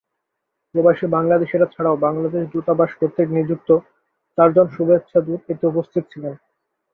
প্রবাসী বাংলাদেশিরা ছাড়াও বাংলাদেশ দূতাবাস কর্তৃক নিযুক্ত চারজন শুভেচ্ছাদূত এতে উপস্থিত ছিলেন।